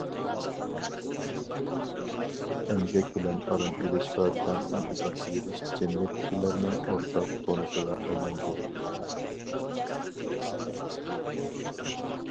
ئەمگەك بىلەن ئارام ئېلىشقا تەڭ ئېتىبار بېرىش جەمئىيەتتىكىلەرنىڭ ئورتاق تونۇشىغا ئايلاندى.